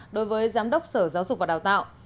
đối với giám đốc sở giáo dục và đào tạo